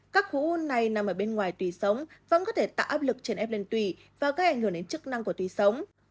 các khổ u này nằm ở bên ngoài tùy sống vẫn có thể tạo áp lực trên ép lên tùy và gây ảnh hưởng đến chức năng của tùy sống